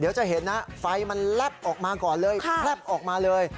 เดี๋ยวจะเห็นนะไฟมันแลบออกมาก่อนเลยแพลบออกมาเลย